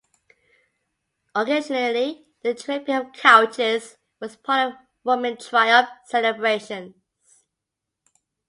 Occasionally the "Draping of Couches" was part of Roman Triumph celebrations.